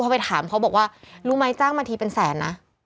พอไปถามเขาบอกว่ารู้ไหมจ้างมาทีเป็นแสนนะ